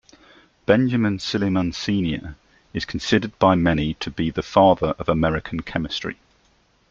Benjamin Silliman Senior is considered by many to be the father of American chemistry.